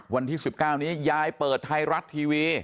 วันที่๑๙นี้ยายเปิดไทยรัฐทีวี